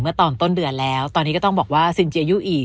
ตอนต้นเดือนแล้วตอนนี้ก็ต้องบอกว่าซินเจยู่อี